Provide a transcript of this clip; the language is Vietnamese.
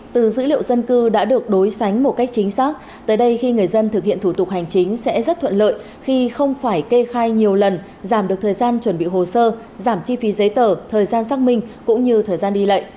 từ dữ liệu dân cư đã được đối sánh một cách chính xác tới đây khi người dân thực hiện thủ tục hành chính sẽ rất thuận lợi khi không phải kê khai nhiều lần giảm được thời gian chuẩn bị hồ sơ giảm chi phí giấy tờ thời gian xác minh cũng như thời gian đi lại